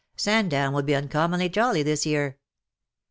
Sandown will be uncommonly jolly this year.''"'